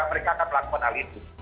mereka akan melakukan hal itu